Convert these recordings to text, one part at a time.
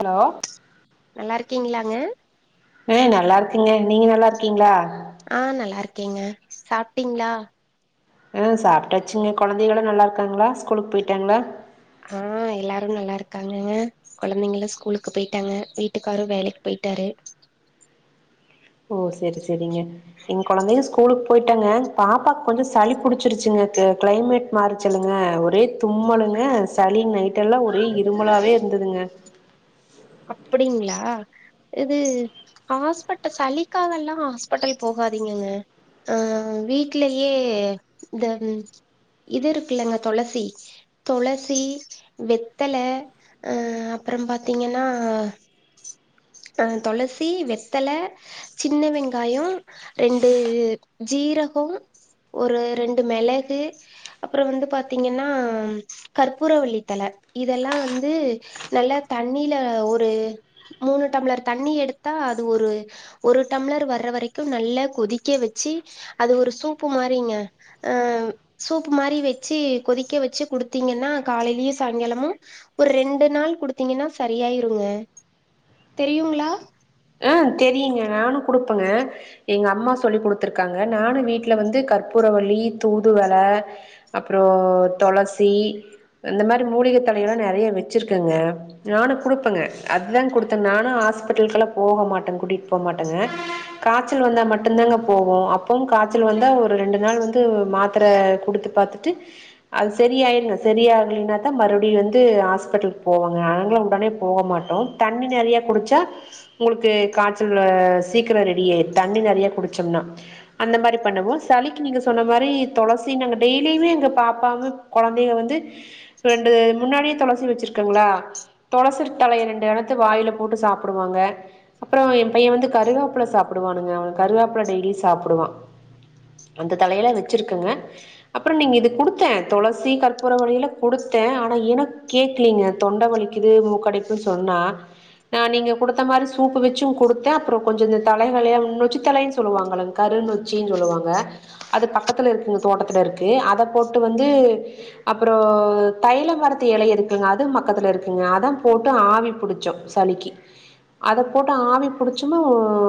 allow நல்லாரிக்கிங்ளாங்க ஆ நல்லாருக்கங்க நீங்க நல்லா இருக்கீங்ளா ஆ நல்லாருக்கேங்க சாப்டீங்களா ஆ சாப்டாச்சுங்க கொழந்தைங்களா நல்லாருக்காங்களா ஸ்கூலுக்கு போய்டாங்களா ஆ எல்லாரு நல்லாருக்காங்கங்க கொழந்தைங்களும் ஸ்கூலுக்கு போய்டாங்க வீட்டுக்காரும் வேலைக்கு போய்டாரு ஓ செரி செரிங்க நிங்க குழந்தைல ஸ்கூலுக்கு போய்டங்க பாப்பாக் கொஞ்சோம் சளி புடிச்சிருச்சுங்க கிளைமேட் மாறுச்சல்லங்க ஒரே தும்மலுங்க சளி நைட்டல்லா ஒரே இரும்பலாவே இருந்துதுங்க அப்டிங்ளா இது ஹாஸ்பிட்ட சளிக்காகல்லாம் ஹாஸ்பிட்டல் போகாதீங்கங்க அ வீட்லயே இந்த இது இருக்கல்லங்க தொளசி தொளசி வெத்தல ஆ அப்பறோம் பாத்தீங்கன் ன்னா அ தொளசி வெத்தல சின்ன வெங்காய்யோம் ரெண்டு ஜீரகோம் ஒரு ரெண்டு மெளகு அப்றோம் வந்து பாத்தீங்கன்னா கற்பூரவல்லித்தல இதெல்லாம் வந்து நல்லா தண்ணில ஒரு மூணு டம்ளர் தண்ணி எடுத்தா அது ஒரு ஒரு டம்ளர் வர்ற வரைக்கு நல்ல கொதிக்க வச்சு அது ஒரு சூப்பு மாறிங்க அ சூப்பு மாறி வெச்சு கொதிக்க வெச்சு குடுத்தீங்கன்னா காலையிலயும் சாங்காலமும் ஒரு ரெண்டு நாள் குடுத்தீங்கன்னா சரியாயிருங்க தெரியுங்களா ஆ தெரியுங்க நானு குடுப்பங்க எங்க அம்மா சொல்லி் குடுத்துருக்காங்க நானு வீட்ல வந்து கற்பூர வல்லி தூதுவள அப்றோ தொளசி அந்த மாரி மூலிக தழையல்லா நெறைய வெச்சிருக்கங்க நானு குடுப்பங்க அதுதா குடுத்த நானு ஹாஸ்பிட்டலு்கலா போக மாட்டங் கூட்டிட்டு போ மாட்டங்க காச்சல் வந்தா மட்டுதாங்க போவோ அப்போவு கா ச்சல் வந்தா ஒரு ரெண்டு நாள் வந்து மாத்தர குடுத்து பாத்துட்டு அது சரி ஆயர்னு சரியகலைனா தா மறுபடியு வந்து ஹாஸ்பிட்டலுக்கு போவோங்க நாங்களு உடனே போகமா ட்டோ தண்ணீ நெறைய குடிச்சா உங்களுக்கு காச்சல் சீக்கிரோ ரெடியாயிடு தண்ணி நெறைய குடுச்சோம்னா அந்த மாரி பண்ணுவோ சளிக்கு நீங்க சொன்ன மாரி தொளசி நாங்க டெய்லியுமே எங்க பாப்பாமு கொழந்தைங்க வந்து ரெண்டு முன்னாடியே தொளசி வச்சிருக்கங்களா தொளசிர் தழையை ரெண்டு எடுத்து வாயில் போட்டு சாப்பிடுவாங்க அப்றோ ஏ பையே வந்து கருகாப்பல சாப்டுவானுங்க அவே கருகாப்பல டெய்லியு சாப்டுவா அந்த தலையெல்லா வெச்சிருக்கங்க அப்றோ நீங்க இது குடுத்தே தொளசி கற்பூர வல்லிலா குடுத்தே ஆனா எனக் கேக்லீங்க தொண்டவலிக்கிது மூக்கடைப்பு சொன்னா நா நீங்க குடுத்த மாரி சூப்பு வெச்சும் குடுத்தே அப்றோ கொஞ்சோ இந்த தலைவழியா நொச்சி தழைனு சொல்லுவாங்கள அத கரு நொச்சி சொல்லுவாங்க அது பக்கத்துல இருக்குங்க தோட்டத்துல இருக்கு அத போட்டு வந்து அப்பறோ தைலமரத்து எல இருக்குங்க அது மக்கத்துல இருக்குங்க அத போட்டு ஆவி புடுச்சோ சளிக்கு அத போட்டு ஆவி புடிச்சுமே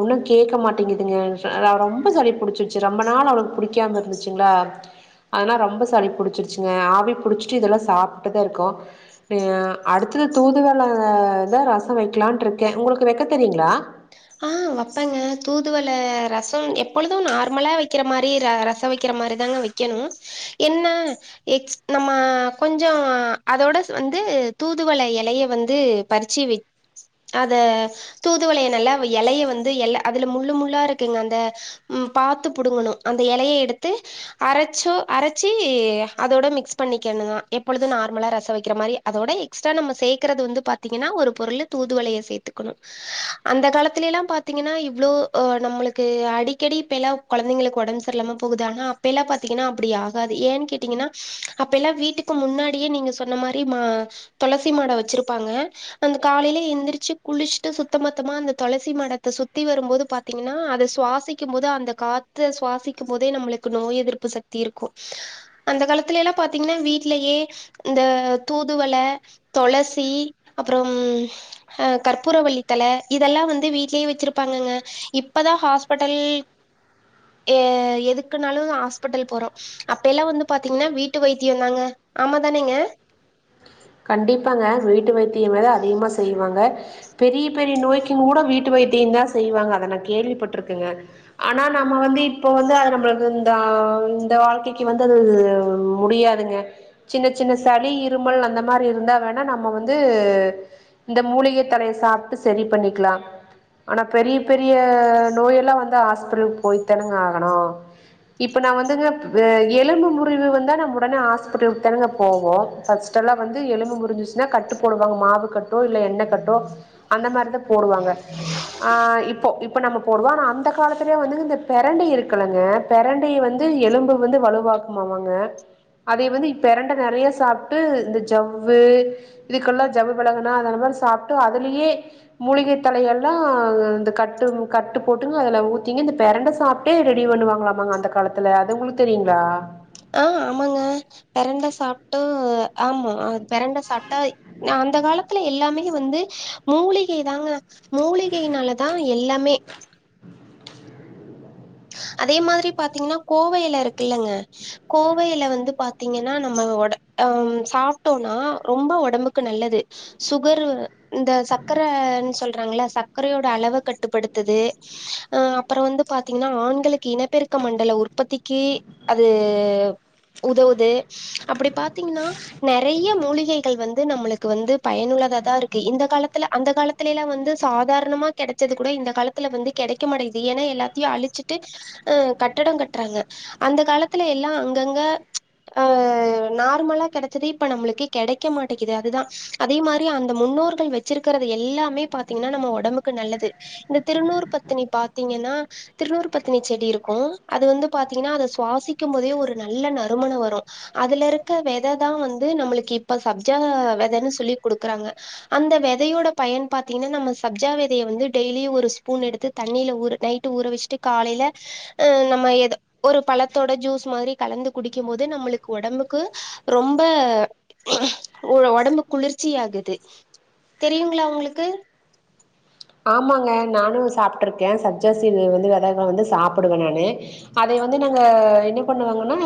உன்னும் கேட்க மாட்டேங்குதுங்க ரொம்ப சளி புடிச்சு ரொம்ப நாள் அவளுக்கு புடிக்காம இருந்துச்சுங்களா ஆனா ரொம்ப சளி புடிச்சிருச்சிங்க ஆவி புடிச்சிட்டு இதெல்லா சாப்ட்டுதா இருக்கோ அடுத்தது தூதுவளதா ரசோ வெக்கலான்னுருக்கே உங்களுக்கு வெக்க தெரியுங்களா ஆ வெப்பேங்க தூதுவள ரசம் எப்பொழுதும் நார்மலா வெக்கிற மாரி ரசோ வை வெக்கிற மாரி தாங்க வெக்கணு என்ன எக்ஸ் நம்ம கொஞ்சோ அதோட வந்து தூதுவள எலைய வந்து பறிச்சு வச் அத தூதுவளய நல்ல எலய வந்து எல்ல அதுல முள்ளு முள்ளா இருக்கு அந்த உம் பாத்து புடுங்கணு அந்த எலய எடுத்து அரைச்சோ அரச்சி அதோட மிக்ஸ் பண்ணிக்கணுந்தா எப்பொழுதும் நார்மலா ரசொ வெக்கிற மாதிரி அதோட எக்ஸ்ட்ரா நம்ம சேக்குறது வந்து பாத்தீங்கன்னா ஒரு பொருள் தூதுவளய சேத்துக்கனு அந்த காலத் இப்பத்தெல்லா பாத்தீங்கன்னா இவ்ளோ நம்மளுக்கு அடிக்கடி இப்ப எல்லா கொழந்தைங்களுக்கு ஒடம்பு சரியில்லாம போகுது ஆனா அப்ப எல்லா பாத்தீங்கன்னா அப்டி ஆகாது ஏன்னு கேட்டீங்கன்னா அப்ப எல்லா வீட்டுக்கு முன்னாடியே நீங்க சொன்ன மாரி மா தொளசி மாடம் வச்சிருப்பாங்க அந்த காலைல எந்திரிச்சு குளிச்ட்டு சுத்தமத்தமா அந்த தொளசி மாடத்த சுத்தி வரும்போது பாத்தீங்கன்னா அத சுவாசிக்கும் போது அந்த காத்த சுவாசிக்கும் போதே நம்மளுக்கு நோய் எதிர்ப்பு சக்தி இருக்கும் அந்த காலத்துல எல்லா பாத்தீங்கன்னா வீட்லயே இந்த தூதுவள தொளசி அப்பறம் ஆ கற்பூரவள்ளி தல இத் இதெல்லாம் வந்து வீட்லயே வச்சிருப்பாங்கங்க இப்பதான் ஹாஸ்பட்டல் ஏ எதுக்குனாலும் ஆஸ்பட்டல் போறோ அப்பயெல்லா வந்து பாத்தீங்கன்னா வீட்டு வைத்தியோ தாங்க ஆமா தானேங்க கண்டிப்பாங்க வீட்டு வைத்தியோ வேல அதிகமா செய்வாங்க பெரிய பெரிய நோய்க்கு கூட வீட்டு வைத்தியோ தா செய்வாங்க அத நா கேள்விப்பட்டுருக்கன்ங்க ஆனா நம்ம வந்து இப்போ வந்து அது நம்ளுக்கு இந்த ஆ இந்த வாழ்க்கைக்கு வந்து அது முடியாதுங்க சின்ன சின்ன சளி இருமல் அந்த மா மாரி இருந்தா வேணா நம்ம வந்து இந்த மூலிகை தலய சாப்ட்டு சரி பண்ணிக்கலா அனா பெரிய பெரிய நோயல்லா வந்தா ஹாஸ்பிட்டலுக்கு போய் தானுங்க ஆகனு இப்போ நா வந்துங்க எலும்பு முறிவு வந்தா நம்ம உடனே ஹாஸ்பிட்டலுக்கு தாங்க போவோ ஃபர்ஸ்டல்லா வந்து எலும்பு முறிஞ்சிரிச்ன்னா கட்டு போடுவாங்க மாவு கட் ட்டோ இல்ல எண்ண கட்டோ அந்த மாரிதான் போடுவாங்க ஆ இப்போ இப் இப்ப நம்ம போடுவோ ஆனா அந்த காலத்திலே வந்து இந்த பெரண்ட இருக்குல்லங்க பெரண்டய வந்து எலும்பு வந்து வலுவாக் குமாங்க அதே வந்து இப் பெரண்ட நெறய சாப்ட்டு இந்த ஜூ ஜவ்வு இதுக்கெல்லா ஜவ்வு விலகுனா அந்த மாரி சாப்ட்டு அதுலியே மூலிகை தழைகல்லா இந்த கட்டு கட்டு போட்டுங்க அதுல ஊத்திங்க இந்த பெரண்ட சாப் ட்டேய் ரெடி பண்ணுவாங்களாமாங்க அந்த காலத்துல அது உங்ளுக்கு தெரியுங்ளா ஆ ஆமாங்க பெரண்ட சாப்ட்டு ஆமா பெரண்ட சாப்ட்டா நா அந்த காலத்துல எல்லாமே வந்து மூலிகை தாங்க மூலிகைனால தா எல்லாமே அதே மாரி பாத்தீங்ன்னா கோவ எல இருக்குல்லங்க கோவ எல வந்து பாத்தீங்கன்னா நம்ம ஒட அம் சாப்ட்டோனா ரொம்ப ஒடம்புக்கு நல்லது சுகர்ரு இந்த சக்கரன்னு சொல்றாங்கள்ல சக்கரயோட அளவ கட்டுப்படுத்துது அ அப்பற வந்து பாத்தீங்ன்னா ஆண் களுக்கு இனப்பெருக்க மண்டல உற்பத்திக்கு அது உதவுது அப்டி பாத்தீங்ன்னா நெறைய மூலிகைகள் வந்து நம்மளுக்கு வந்து பயனுள்ளத தா ருக்கு இந்த காலத்துல அந்த கால த்துலேலா வந்து சாதாரணமா கெடைச்சது கூட இந்த காலத்துல வந்து கெடைக்க மாட்டெக்கிது ஏன்னா எல்லாத்தியு அழிச்சு ட்டு ஆ கட்டட கட்றாங்க அந்த காலத்துல எல்லா அங்கங்க ஆ நார்மலா கெடச்சது இப்ப நம்மளுக்கு கெடைக்க மாட்டேகிது அது தா அதே மாரி அந்த முன்னோர்கள் வச்சிருக்கிறது எல்லாமே பாத்தீங்ன்னா நம்ம ஒடம்புக்கு நல்லது இந்த திருநூர் பத்தினி பாத்தீங்கன்னா திருநூர் பத்தினி செடி இருக்கும் அது வந்து பாத்தீங்ன்னா அத சுவாசிக்கும் போதே ஒரு நல்ல நறுமணம் வரும் அதுல இருக்க வித தா வந்து நம்மளுக்கு இப்ப சப்ஜா விதைன்னு சொல்லி குடுக்குறாங்க அந்த விதயோட பயன் பாத்தீங்ன்னா நம்ம சப்ஜா விதைய வந்து டெய்லியும் ஒரு ஸ்பூன் எடுத்து தண்ணில ஊற நைட்டு ஊற வச்சுட்டு காலையில ஆ நம்ம எதோ ஒரு பழத்தோட ஜூஸ் மாரி கலந்து குடிக்கும் போது நம்மளுக்கு ஒடம்புக்கு ரொம்ப ஒடம்பு குளிர்ச்சி ஆகுது தெரியுங்ளா உங்களுக்கு ஆமாங்க நானு சாப்ட்ருக்கே சப்ஜா சீட் வந்து வெத தா வந்து சாப்புடுவே நானு அதைய வந்து நாங்க என்ன பண்ணுவாங்கன்னா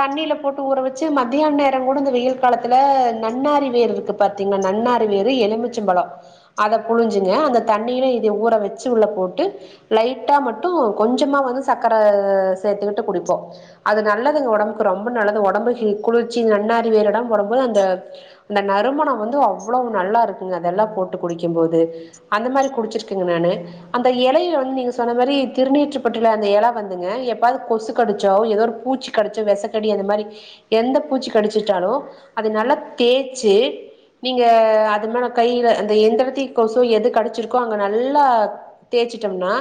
தண்ணில போட்டு ஊறவச்சு மத்தியான் நேரோ கூட இந்த வெயில் காலத்துல நன்னாரி வேர் இருக்கு பா த்திங்னா நன்னாரி வேறு எலுமிச்சம்பலோ அத புழிஞ்சு ங்க அந்த தண்ணியில இதிய ஊற வச்சு உள்ள போட்டு லைட்டா மட்டூ கொஞ்சமா வந்து சக்கர சேத்துக்கிட்டு குடிப்போ அது நல்லதுங்க ஒடம்புக்கு ரொம்ப நல்லது ஒடம்புக்கி குளிர்ச்சி நன்னாரி வேர்றுடா போடம் போது அந்த இந்த நறுமணம் வந்து அவ்வளவ்வு நல்லா இருக்குங்க அதெல்லா போட்டு குடிக்கிம் போது அந்த மாரி குடிச்சிருக்ங்க நானு அந்த எலைய வந்து நீங்க சொன்ன மாரி திருநீற்ற பட்டுல அந்த எல வந்துங்க எப்பாவ்து கொசு கடிச்சோ ஏதோ ஒரு பூச்சி கடிச்சோ வெசக்கடி அந்த மாரி எந்த பூச்சி கடிச்சிட்டாலு அத நல்லா தேச்சு நீங்க அது மேல கைய்ல அந்த எந்த எடத்தி ஸோ எது கடிச்சிருக்கோ அங்க நல்லா தேச்சிட்டோம்னா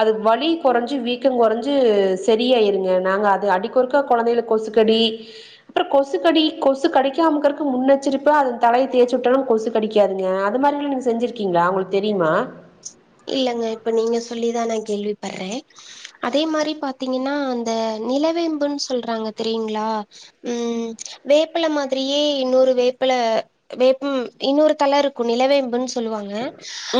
அது வழி கொறஞ்சு வீக்கொ கொறஞ்சு சரி ஆயிருங்க நாங்க அது அடிக்கொறுக்கா குழந்தைதுல கொசு கடி அப்றம் கொசு கடி கொசு கடிக்காமக்றதுக்கு முன்னெச்சரிப்பா அத தலய தேச்சு விட்டோம்னா கொசு கடிக்காதுங்க அது மாரி ல்லாம் நீங்க செஞ்சிருக்கீங்ளா உங்ளுக்கு தெரியுமா இல்லங்க இப்ப நீங்க சொல்லிதா நா கேள்வி படுறேன் அதே மாரி பாத்தீங்கனா அந்த நிலவேம்புன்னு சொல்றாங்க தெரியுங்ளா ம் வேப்பல மாதிரியே இன்னொரு வேப்பல வேப்பும் இன்னொரு தல இருக்கும் நிலவேம்புன்னு சொல்லுவாங்க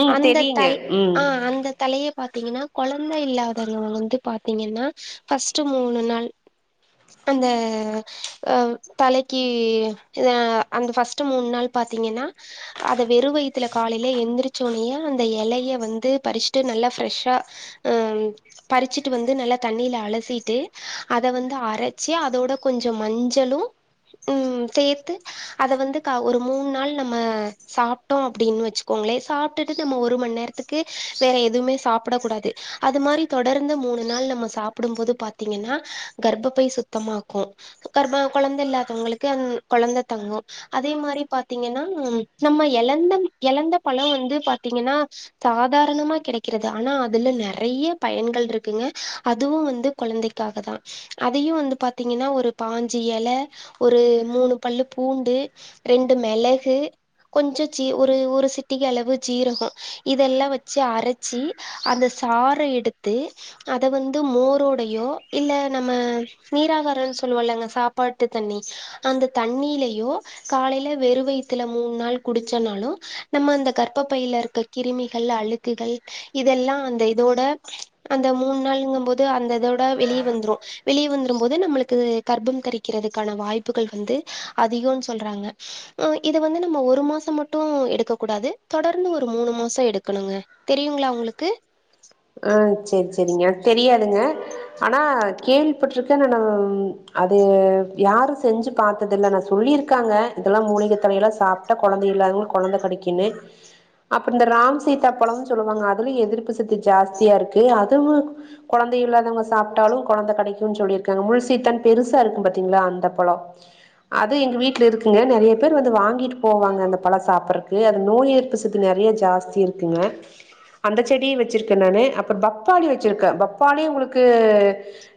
ம் அந்த தெரியுங்க தல் ம் ஆ அந்த தழைய பாத்தீங்கனா கொழந்த இல்லாதவங்க வந்து பாத்தீங்கனா பஸ்ட்டு மூணு நாள் அந்த அ தலைக்கு அந்த பஸ்ட்ட் மூணு நாள் பாத்தீங்கனா அத வெறு வய்த்துல காலைல எந்திரிச்சோனையே அந்த எலைய வந்து பறிச்சுட்டு நல்லா ஃப்ரெஷ்ஷா அ பறிச்சிட்டு வந்து நல்லா தண்ணியில அலசிட்டு அத வந்து அரச்சி அதோட கொஞ்சம் மஞ்சளு ம் சேத்து அத வந்து க ஒரு மூணு நாள் நம்ம சாப்ட்டோம் அப்டின்னு வச்சுோங்களே சாப்ட்டுட்டு ட்டு நம்ம ஒரு மணி நேரத்துக்கு வேற எதுமே சாப்டக் கூடாது அது மாரி தொடர்ந்து மூணு நாள் நம்ம சாப் ப்டும் போது பாத்தீங்கனா கர்பப்பை சுத்தமாக்கும் கர்ப கொழந்த இல்லாதவங்களுக்கு அ கொழந்த தங்கும் அதே மாரி பாத்தீங்கனா நம்ம எழந்த எழந்த பழம் வந்து பாத்தீங்கனா சாதாரணமா கெடக்கிறது ஆனா அதுல நெறைய பயன்கள் இருக்குங்க அதுவும் வந்து கொழந்தைக் க்காக தா அதையும் வந்து பாத்தீங்கனா ஒரு பாஞ்சு எல ஒரு மூணு பல்லு பூண்டு ரெண்டு மெளகு கொஞ்சம் சி ஒரு ஒரு சிட்டிக அளவு ஜீரகம் இதெல்லா வச்சு அரச்சி அந்த சார எடுத்து அத வந்து மோரோடையோ இல்ல நம்ம நீராகாரன் சொல்லுவலங்க சாப்பாட்டு தண்ணி அந்த தண்ணிலயோ காலையில வெறு வய்த்துல மூணு நாள் குடிச்சனாலும் நம்ம அந்த கர்ப் ப்ப பைல இருக்க கிருமிகள் அழுக்குகள் இதெல்லா அந்த இதோட அந்த மூணு நாள்ங்கும்போது அந்த இதோட வெளியே வந்துரும் வெளிய வந்துரும் போது நம்மளுக்கு கர்ப்பம் தரிக்றதுக்கான வாய்ப்புகள் வந்து அதிகோம் சொல்றாங்க ம் இத வந்து நம்ம ஒரு மாசம் மட்டு எடுக்க கூடாது தொடர்ந்து ஒரு மூணு மாசம் எடுக்கணுங்க தெரியுங்களா உங்களுக்கு அ சேரி சேரிங்க தெரியாதுங்க ஆனா கேள்விப்பட்ருக்கேன் ஆனா அது யாரும் செஞ்சுப் பாத்ததுல்ல னா சொல்லிருக்காங்க இதெல்லா மூலிக தண்ணியெல்லா சாப்ட்டா கொழந்தை இல்லாதவங்ளுக்கு கொழந்த கெடைக்குனு அப்ற இந்த ராம் சீதா பழம்னு சொல்லுவாங்க அதுலும் எதிர்ப்பு சத்தி ஜாஸ்தியா இருக்கு அதுவும் கொழந்தை இல்லாதவங்க சாப்ட்டாலும் கொழந்த கெடைக்குன்னு சொல்லியிருக்காங்க முழுசீத்தன் பெருசா இருக்கும் பாத்தீங்களா அந்த பழோம் அது எங்க வீட்ல இருக்குங்க நெறைய பேர் வந்து வாங்கிட்டு போவாங்க அந்த பழம் சாப்றக்கு அந்த நோய் எதி ப்பு சத்து நெறய ஜாஸ்தி இருக்குங்க அந்த செடியை வச் சிருக்கேன் நானு அப்புறம் பப்பாளி வச்சிருக்கேன் பப்பாளி உங்களுக்கு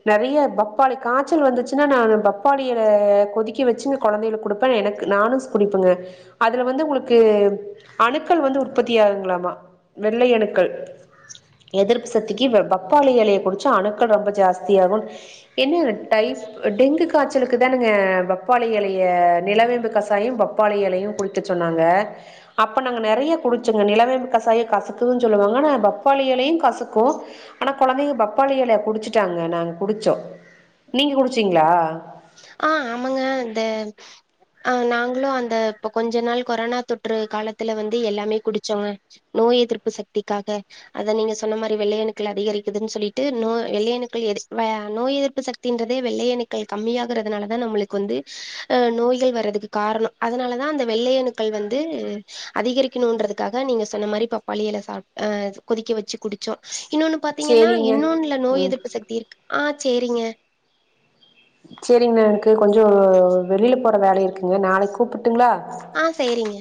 நெறைய பப்பாளி காய்ச்சல் வந்துச்சுனா நானு பப்பாளிய கொதிக்க வச்சுங் கொழந்தைகளுக் கொடுப்பேன் எனக் நானும் குடிப்பங்க அதுல வந்து உங்களுக்கு அணுக்கள் வந்து உற்பத்தி ஆகுங்களாமா வெள்ளை அணுக்கள் அ எதிர்ப்பு சத்திக்கு இந்த பப்பாளி இலைய குடிச்சா அணுக்கள் ரொம்ப ஜாஸ்தியா ஆகும் என்ன டைம் டெங்கு காய்ச்சலுக்கு தானங்க பப்பாளி எலைய நிலவேம்பு கசாயம் பப்பாளி எலையு குடுப் சொன்னாங்க அப்ப நாங்க நறைய குடிச்சங்க நிலவேம்பு கசாயம் கசக்குதுன்னு சொல்லுவாங்க ஆனா பப் பாப்பாளி எலையு கசுக்கு ஆனா குழந்தைங்க பப் பப்பாளி எல குடிச்சுட்டாங்க நாங்க குடிச்சோ நீங்க குடிச்சிங்களா ஆ ஆமாங்க அந்த அ நாங்களு அந்த இப்ப கொஞ்ச நாள் கொரனா தொற்று காலத்துல வந்து எல்லாமே குடிச்சோங்க நோய் எதிர்ப்பு சக்திக்காக அத நீங்க சொன்ன மாரி வெள்ளையணுக்கள் அதிகரிக்குதுன்னு சொல்லிட்டு நோய் வெள்ளையணுக்கள் நோய் எதிர்ப்பு சக் தின்றதே வெள்ளை அணுக்கள் கம்மியாகறதுனால தா நம்மளுக்கு வந்து அ நோய்கள் வர்றதுக்கு காரணோ அதனாலதா அந்த வெள்ளை அணுக்கள் வந்து அதிகரிக்கணுன்றதுக்காக நீங்க சொன்ன மாரி பப்பாளி எல சாப் கொதிக்க வச்சு குடுச் இன்னொன்னு பாத்தீங்கன்னா சேரிங்க இன்னொன்னுல நோய் ம் எதிர்ப்பு சக்தி இருக்கு ஆ சேரிங்க சரிங்க எனக்கு கொஞ்சோ வெளில போற வேலை இருக்குங்க நாளைக்கு கூப்புட்டுங்களா ஆ சேரிங்க